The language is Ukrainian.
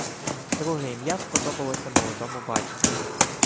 Друге ім'я сподобалося молодому батьку.